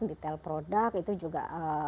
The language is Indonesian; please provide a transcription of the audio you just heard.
detail produk itu juga